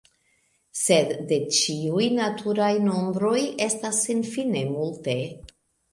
Sed de ĉiuj naturaj nombroj estas senfine multe.